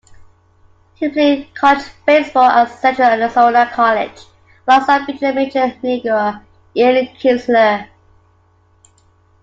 He played college baseball at Central Arizona College, alongside future major leaguer Ian Kinsler.